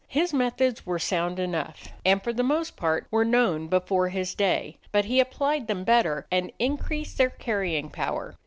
His methods were sound enough, and for the most part were known before his day; but he applied them better and increased their carrying power.